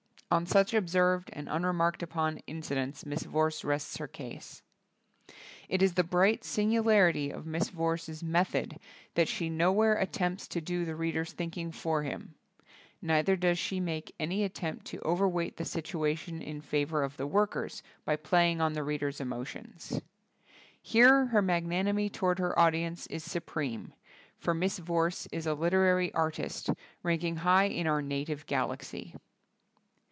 On such observed and unremarked upon inci dents Mrs. Vorse rests her case. It is the bright singularity of Mrs. Vorse's method that she nowhere at tempts to do the reader's thinking for him. Neither does she make any at tempt to overweight the situation in favor of the workers, by playing on the reader's emotions. Here her mag nanimity toward her audience is su preme, for Mrs. Vdrse is a literary ar tist ranking high in our native galaxy.